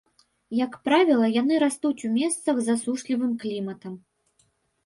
Як правіла, яны растуць у месцах з засушлівым кліматам.